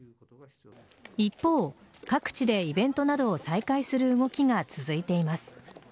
一方、各地でイベントなどを再開する動きが続いています。